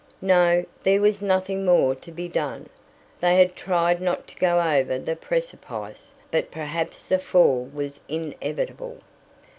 No, there was nothing more to be done. They had tried not to go over the precipice but perhaps the fall was inevitable.